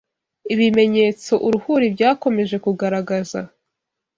Ibimenyetso uruhuri byakomeje kugaragaza